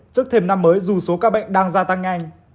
trước thêm năm mới dù số ca bệnh đang gia tăng nhanh